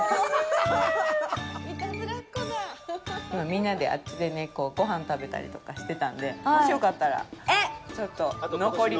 みんなで、あっちでごはん食べたりとかしてたんでもしよかったら、ちょっと残り。